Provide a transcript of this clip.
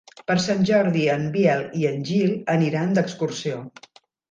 Per Sant Jordi en Biel i en Gil aniran d'excursió.